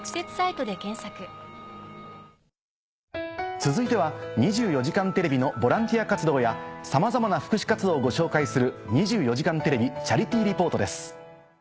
続いては『２４時間テレビ』のボランティア活動やさまざまな福祉活動をご紹介する。